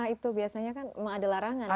itu biasanya kan memang ada larangan ya